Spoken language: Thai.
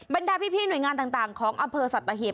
ดาพี่หน่วยงานต่างของอำเภอสัตหีบ